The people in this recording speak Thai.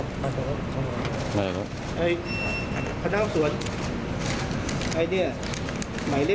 ครับผ้านหาคือเป็นเรื่องอะไรครับพี่